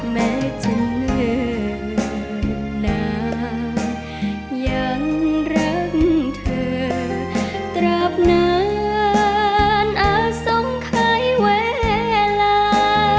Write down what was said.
แม้จะเหนื่อนานยังรักเธอตราบนานอาสังขายเวลา